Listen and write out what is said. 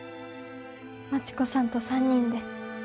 真知子さんと３人で。